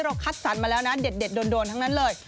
คัดสรรมาแล้วนะเด็ดโดนทั้งนั้นเลย